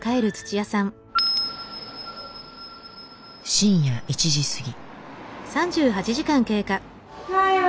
深夜１時過ぎ。